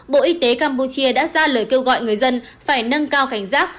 bộ y tế campuchia đã ra lời kêu gọi người dân phải nâng cao cảnh giác